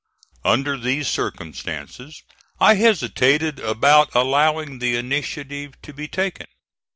Under these circumstances I hesitated about allowing the initiative to be taken.